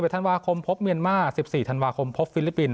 ธันวาคมพบเมียนมาร์๑๔ธันวาคมพบฟิลิปปินส